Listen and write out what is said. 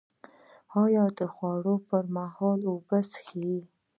ایا د خوړو پر مهال اوبه څښئ؟